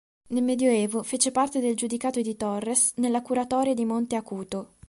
Nel medioevo fece parte del Giudicato di Torres, nella curatoria di Monte Acuto.